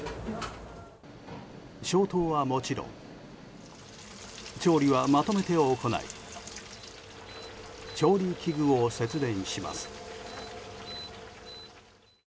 消灯はもちろん調理はまとめて行い調理器具を節電します。